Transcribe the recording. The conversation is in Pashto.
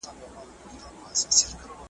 هیوادونه چیري نړیوالي غونډي تنظیموي؟